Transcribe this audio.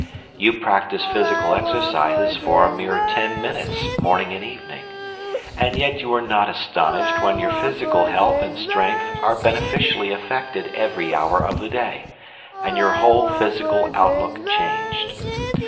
You practise physical exercises for a mere ten minutes morning and evening, and yet you are not astonished when your physical health and strength are beneficially affected every hour of the day, and your whole physical outlook changed.